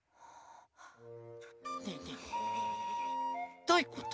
ねえねえどういうこと？